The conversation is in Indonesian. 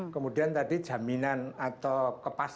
kemudian tadi jaminan atau kepasan perpustakaan